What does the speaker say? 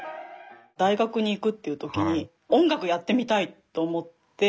大学に行くっていう時に音楽やってみたいと思って。